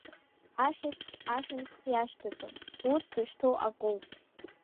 Ахьӡ-ахьымӡӷ иашьҭаӡам, урҭ зышьҭоу акоуп!